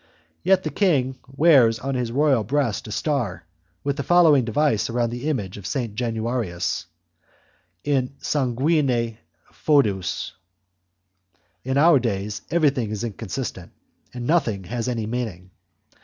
Yet the king wears on his royal breast a star with the following device around the image of St. Januarius: 'In sanguine foedus'. In our days everything is inconsistent, and nothing has any meaning.